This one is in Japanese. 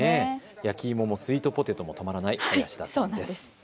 焼き芋もスイートポテトも止まらない林田さんです。